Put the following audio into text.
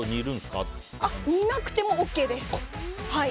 煮なくてもＯＫです。